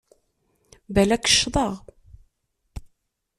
Balak ccḍeɣ.